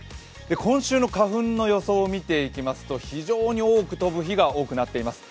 今週の花粉の予想を見ていきますと非常に多く飛ぶ日が多くなっています。